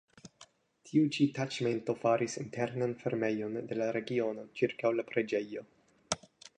Tiu ĉi taĉmento faris internan fermejon de la regiono ĉirkaŭ la preĝejo.